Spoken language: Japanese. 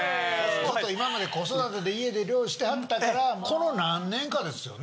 ずっと今まで子育てで家で料理してはったからこの何年かですよね？